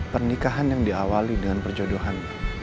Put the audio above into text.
pernikahan yang diawali dengan perjodohan